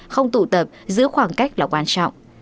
không tụ tập giữ khoảng cách là quan trọng